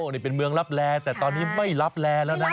นี่เป็นเมืองรับแร่แต่ตอนนี้ไม่รับแรแล้วนะ